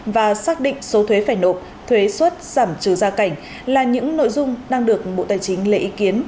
và xác định số thuế phải nộp thuế xuất giảm trưa ra cảnh là những nội dung đang được bộ tài chính lệ ý kiến